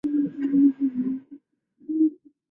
南朝梁元帝萧绎的贵嫔。